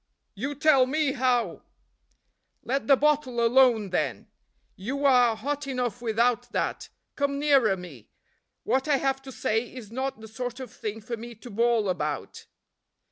" you, tell me how." "Let the bottle alone, then; you are hot enough without that. Come nearer me. What I have got to say is not the sort of thing for me to bawl about.